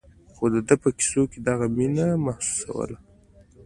خو د ده په کيسو مې دغه مينه محسوسوله.